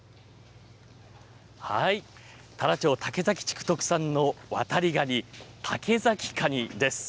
太良町竹崎地区特産のワタリガニ、竹崎カニです。